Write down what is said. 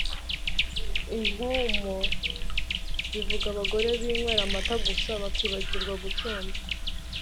impumbu bivuga abagore binywera amata gusa bakibagirwa gucunda